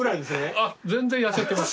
あっ全然痩せてます。